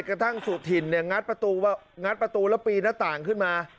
กระทั่งสุถินงัดประตูแล้วปีหน้าต่างขึ้นมา